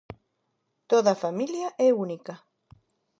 Toda familia é única.